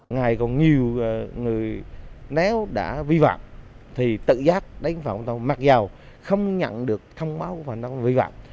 ngày còn nhiều người nếu đã vi phạm thì tự giác đánh phạm hoàn toàn mặc dào không nhận được thông báo hoàn toàn vi phạm